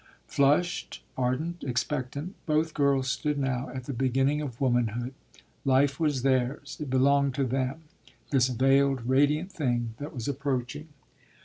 Flushed, ardent, expectant, both girls stood now at the beginning of womanhood. Life was theirs; it belonged to them, this veiled, radiant thing that was approaching.